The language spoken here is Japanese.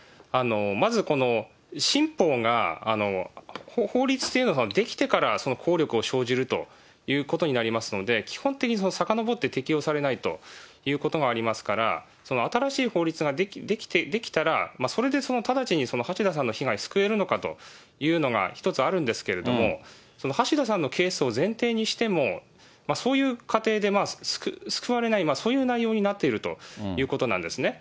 まず新法が法律というのは、出来てから効力を生じるということになりますので、基本的にさかのぼって適用されないということがありますから、新しい法律が出来たら、それで直ちに橋田さんの被害、救えるのかというのが一つあるんですけれども、橋田さんのケースを前提にしても、そういう過程で救われない、そういう内容になっているということなんですね。